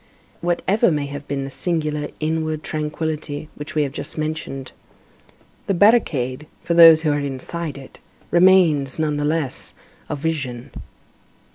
Whatever may have been the singular inward tranquillity which we have just mentioned, the barricade, for those who are inside it, remains, nonetheless, a vision.